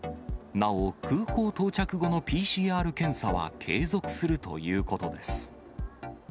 なお、空港到着後のＰＣＲ検査は継続するということです。